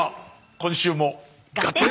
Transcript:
今週も「ガッテン！」。